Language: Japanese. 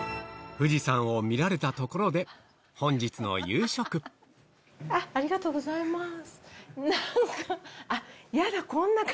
富士山を見られたところでありがとうございます。